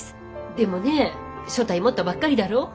でもねえ所帯持ったばっかりだろう？